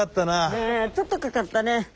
ちょっとかかったね。